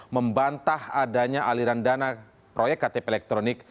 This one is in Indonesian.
membantah adanya aliran dana proyek ktp elektronik